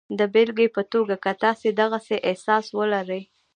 د بېلګې په توګه که تاسې د غسې احساس ولرئ